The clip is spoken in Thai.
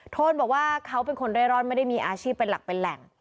โทนบอกว่าเขาเป็นคนเร่ร่อนไม่ได้มีอาชีพเป็นหลักเป็นแหล่ง